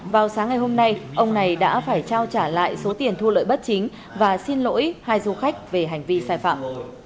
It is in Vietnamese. vào sáng ngày hôm nay ông này đã phải trao trả lại số tiền thu lợi bất chính và xin lỗi hai du khách về hành vi sai phạm